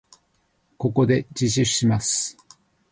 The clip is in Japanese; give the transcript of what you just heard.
ここで自首します。